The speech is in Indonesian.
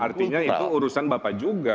artinya itu urusan bapak juga